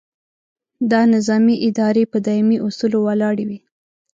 دا نظامي ادارې په دایمي اصولو ولاړې وي.